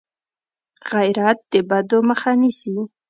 غیرت د بدو مخه نیسي